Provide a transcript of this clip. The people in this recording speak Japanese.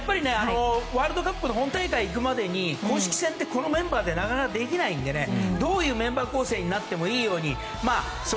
ワールドカップの本大会行くまでに公式戦って、このメンバーでなかなかできないのでどういうメンバー構成になってもいいように。